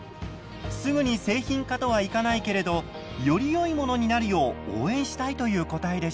すぐに製品化とはいかないけれどよりよいものになるよう応援したいという答えでした。